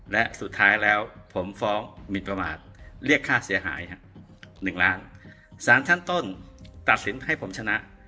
และสุดท้ายแล้วผมฟ้องหมินประมาทเรียกค่าเสียหาย๑ล้านสารชั้นต้นตัดสินให้ผมชนะ